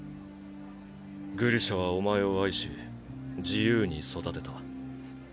グリシャはお前を愛し自由に育てた。